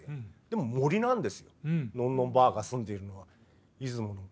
でも森なんですのんのんばあが住んでいるのは出雲の。